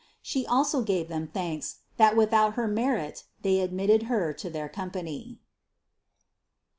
She also gave them thanks, that without her merit they admitted Her to their company.